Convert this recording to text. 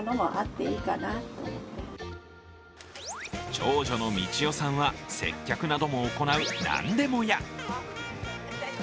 長女の道代さんは接客なども行う何でも屋。